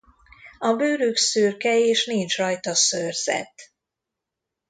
A bőrük szürke és nincs rajta szőrzet.